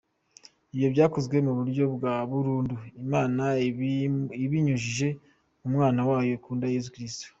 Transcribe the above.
Ibi byakozwe mu buryo bwa burundu Imana ibinyujije mu mwana wayo ikunda Yesu Kristo.